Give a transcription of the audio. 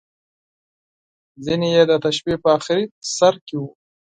ځینې یې د تشبیه په اخري سر کې وو.